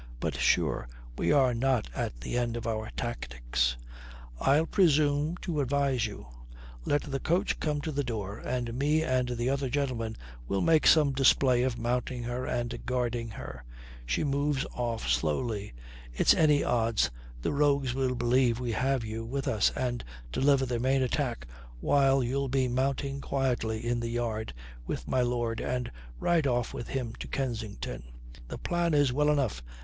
But sure, we are not at the end of our tactics. I'll presume to advise you. Let the coach come to the door, and me and the other gentlemen will make some display of mounting her and guarding her; she moves off slowly; it's any odds the rogues will believe we have you with us and deliver their main attack, while you'll be mounting quietly in the yard with my lord and ride off with him to Kensington." "The plan is well enough.